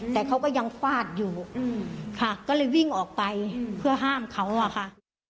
แต่เขายังฝาดอยู่ก็เริ่มวิ่งออกไปเพื่อห้ามเค้าค่ะ